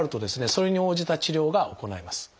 それに応じた治療が行えます。